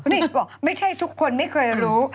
นี่บอกไม่ใช่ทุกคนไม่เคยรู้